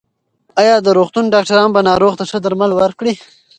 ایا د روغتون ډاکټران به ناروغ ته ښه درمل ورکړي؟